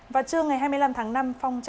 vào trưa ngày hai mươi năm tháng năm